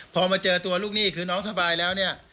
พอมาเจอตัวลูกหนี้คือน้องสบายแล้วเนี่ย